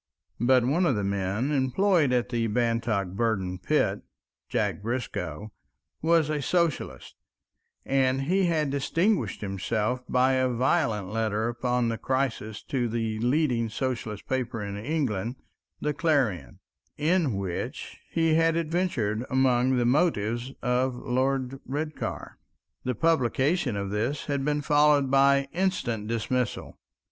But one of the men employed at the Bantock Burden pit, Jack Briscoe, was a socialist, and he had distinguished himself by a violent letter upon the crisis to the leading socialistic paper in England, The Clarion, in which he had adventured among the motives of Lord Redcar. The publication of this had been followed by instant dismissal.